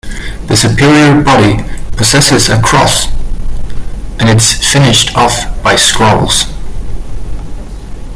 The superior body possesses a cross and it's finished off by scrolls.